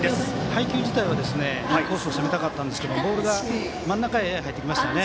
配球自体はインコースを攻めたかったんですけども配球が真ん中に入りました。